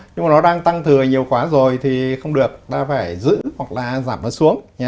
nhưng mà nó đang tăng thừa nhiều quá rồi thì không được ta phải giữ hoặc là giảm nó xuống